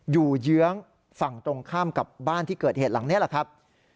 เยื้องฝั่งตรงข้ามกับบ้านที่เกิดเหตุหลังนี้แหละครับ